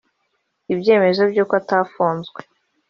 Ibyemezo by’uko batafunzwe